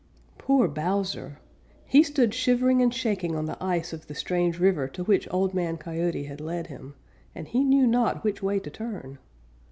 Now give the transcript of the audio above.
_ Poor Bowser! He stood shivering and shaking on the ice of the strange river to which Old Man Coyote had led him, and he knew not which way to turn.